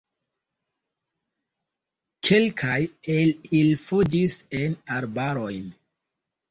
Kelkaj el ili fuĝis en arbarojn.